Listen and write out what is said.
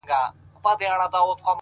• هر مېړه یې تر برېتو په وینو سور دی,